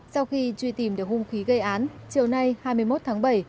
sau khi truy tìm được hung khí gây án chiều nay hai mươi một tháng bảy